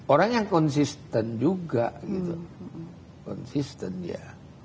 orang yang konsisten juga